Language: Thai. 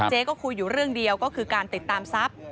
เจ๊ก็คุยอยู่เรื่องเดียวก็คือการติดตามทรัพย์